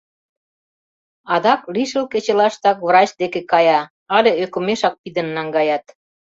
Адак лишыл кечылаштак врач деке кая але ӧкымешак пидын наҥгаят.